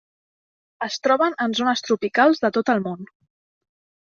Es troben en zones tropicals de tot el món.